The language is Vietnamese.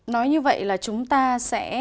nói như vậy là chúng ta sẽ